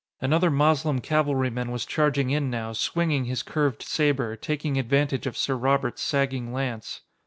Another Moslem cavalryman was charging in now, swinging his curved saber, taking advantage of Sir Robert's sagging lance.